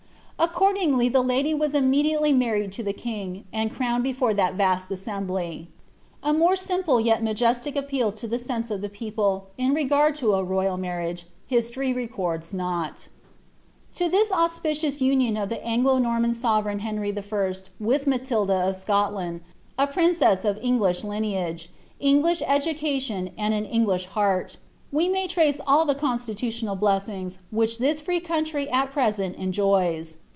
Accordingly the lady was immediately married to the king, and crowned before thai vast assembly." ' A more simple yet majestic appeal to the aeuse of the people, in regaid to a royal marriage, history records noL To this auspicious union of the Anglo Norman sovereign Henry L with Maiitda of Scotland, a princess of Englisli lineage, English edne» tion, and an English heart, we may trace alt the constitutional blessings whicli litis free country at present enjoys.